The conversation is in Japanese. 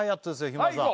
日村さん